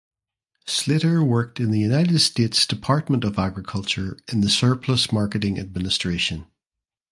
Slater worked in the United States Department of Agriculture in the Surplus Marketing Administration.